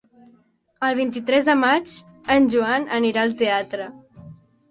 El vint-i-tres de maig en Joan anirà al teatre.